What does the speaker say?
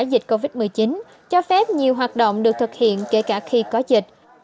dịch covid một mươi chín cho phép nhiều hoạt động được thực hiện kể cả khi có dịch